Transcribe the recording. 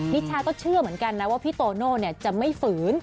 นิชาก็เชื่อเหมือนกันนะว่าพี่โตโน่จะไม่ฝืน